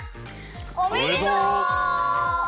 おめでとう！